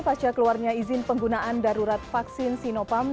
pasca keluarnya izin penggunaan darurat vaksin sinopam